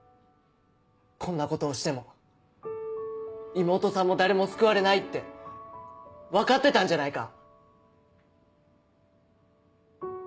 こんなことをしても妹さんも誰も救われないって分かってたんじゃないか？